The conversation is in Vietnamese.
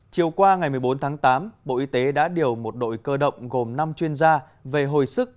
chiều qua ngày một mươi bốn tháng tám bộ y tế đã điều một đội cơ động gồm năm chuyên gia về hồi sức